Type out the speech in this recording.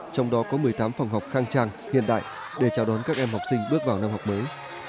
trong đó có một mươi tám phòng học khang trang hiện đại để chào đón các em học sinh bước vào năm học mới